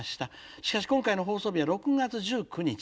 しかし今回の放送日は６月１９日。